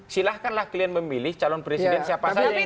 silahkanlah kalian memilih calon presiden siapa saja yang